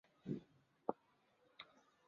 曾祖父陈善。